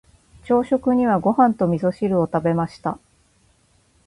朝食にはご飯と味噌汁を食べました。